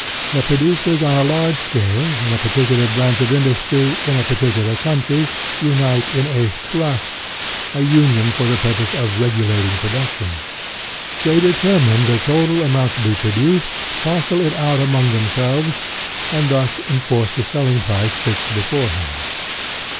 The producers on a large scale in a I2O SOCIALISM particular branch of industry in a particular country unite in a " Trust," a union for the purpose of regulating production. They determine the total amount to be produced, parcel it out among themselves, and thus enforce the selling price fixed beforehand.